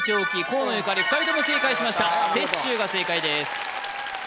河野ゆかり２人とも正解しました雪舟が正解です